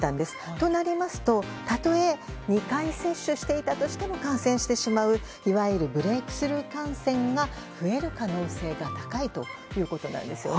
となりますとたとえ２回接種していたとしても感染してしまういわゆるブレークスルー感染が増える可能性が高いということです。